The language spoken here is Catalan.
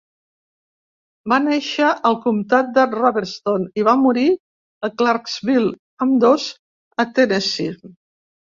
Va néixer al comtat de Robertson i va morir a Clarksville, ambdós a Tennessee.